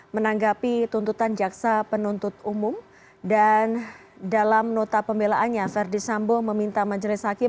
menanggapi tuntutan jaksa penuntut umum dan dalam nota pembelaannya verdi sambo meminta majelis hakim